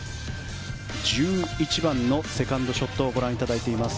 １１番のセカンドショットをご覧いただいています。